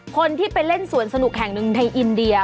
คนที่ไปเล่นสวนสนุกแห่งหนึ่งในอินเดีย